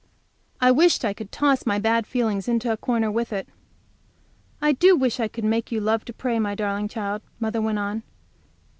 I wished I could toss my bad feelings into a corner with it. "I do wish I could make you love to pray, my darling child," mother went on.